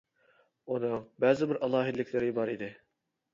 ئۇنىڭ بەزى بىر ئالاھىدىلىكلىرى بار ئىدى.